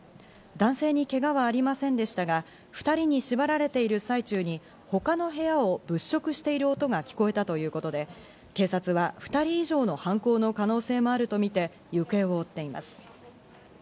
男性にけがはありませんでしたが、２人に縛られている最中に他の部屋を物色している音が聞こえたということで、警察は２人以上の犯行の可能性もあるとみて行方を追っています。